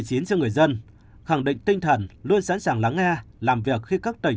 xịn cho người dân khẳng định tinh thần luôn sẵn sàng lắng nghe làm việc khi các tỉnh